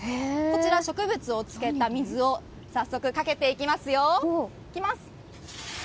植物をつけた水を早速かけていきますよ。